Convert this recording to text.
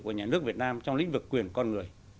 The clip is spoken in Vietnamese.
của nhà nước việt nam trong lĩnh vực quyền con người